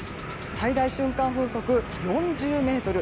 最大瞬間風速４０メートル。